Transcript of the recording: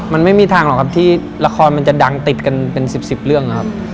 มันไม่มีทางหรอกครับที่ละครมันจะดังติดกันเป็น๑๐เรื่องนะครับ